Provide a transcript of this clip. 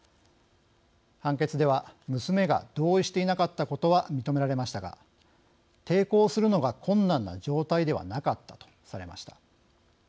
判決では娘が同意していなかったことは認められましたが抵抗するのが困難な状態ではなかったとされました。